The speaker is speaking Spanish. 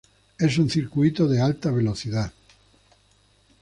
Es un circuito de alta velocidad.